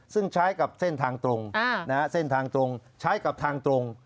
ซึ่งใช้กับเส้นทางตรงใช้กับทางตรง